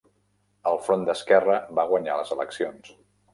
El Front d'Esquerra va guanyar les eleccions.